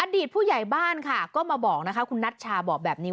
อดีตผู้ใหญ่บ้านค่ะก็มาบอกนะคะคุณนัชชาบอกแบบนี้